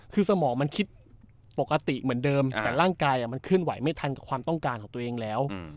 คือสมองมันคิดปกติเหมือนเดิมแต่ร่างกายมันเคลื่อนไหวไม่ทันกับความต้องการของตัวเองแล้ว